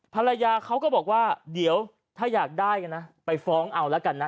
ภรรยาเขาก็บอกว่าเดี๋ยวถ้าอยากได้กันนะไปฟ้องเอาแล้วกันนะ